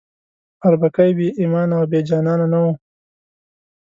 اربکی بې ایمانه او بې جانانه نه وو.